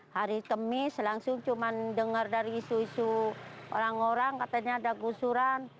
hari kemis langsung cuma dengar dari isu isu orang orang katanya ada gusuran